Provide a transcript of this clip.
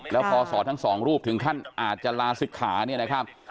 แล้วพอสอทั้งสองรูปถึงขั้นอาจจะลาศิกขาเนี่ยนะครับ